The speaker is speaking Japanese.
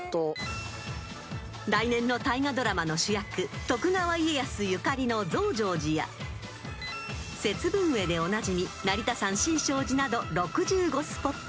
［来年の大河ドラマの主役徳川家康ゆかりの増上寺や節分会でおなじみ成田山新勝寺など６５スポット］